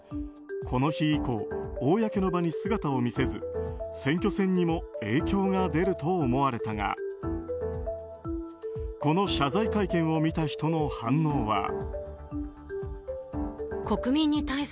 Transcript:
この日以降、公の場に姿を見せず選挙戦にも影響が出ると思われたがこの謝罪会見を見た人の反応は。